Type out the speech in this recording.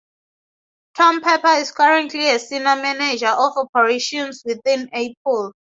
Tom Pepper is currently a Senior Manager of Operations within Apple.